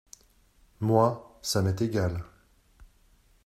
Moi ça m’est égal.